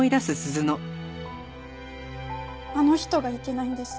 あの人がいけないんです。